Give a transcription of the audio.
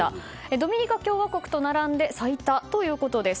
ドミニカ共和国と並んで最多ということです。